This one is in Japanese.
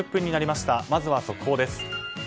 まずは速報です。